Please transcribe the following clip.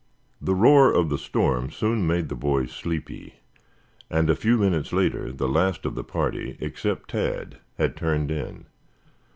The roar of the storm soon made the boys sleepy, and a few minutes later the last of the party, except Tad, had turned in.